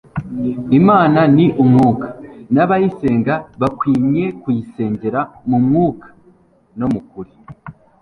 Imana ni umwuka n'abayisenga bakwinye kuyisengera mu mwuka no mu kuri."